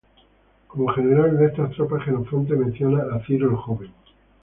Como general de estas tropas, Jenofonte menciona a Ciro el joven.